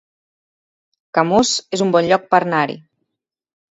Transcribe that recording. Camós es un bon lloc per anar-hi